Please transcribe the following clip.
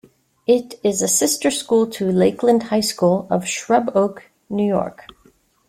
It is a sister school to Lakeland High School of Shrub Oak, New York.